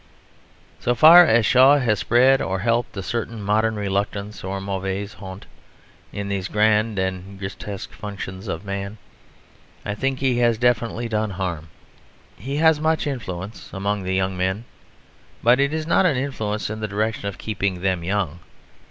So far as Shaw has spread or helped a certain modern reluctance or mauvaise honte in these grand and grotesque functions of man I think he has definitely done harm. He has much influence among the young men; but it is not an influence in the direction of keeping them young.